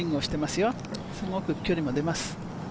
すごく距離も出ます。